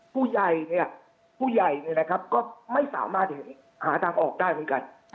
ผู้ใหญ่เนี่ยผู้ใหญ่เนี่ยนะครับก็ไม่สามารถเห็นหาทางออกได้เหมือนกัน